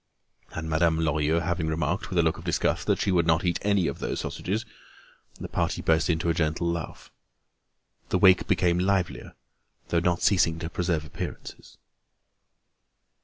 And Madame Lorilleux having remarked, with a look of disgust, that she would not eat any of those sausages, the party burst into a gentle laugh. The wake became livelier, though not ceasing to preserve appearances.